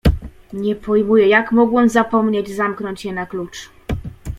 "Nie pojmuję, jak mogłem zapomnieć zamknąć je na klucz."